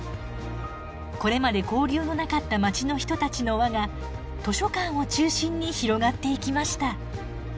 これまで交流のなかった街の人たちの輪が図書館を中心に広がっていきました。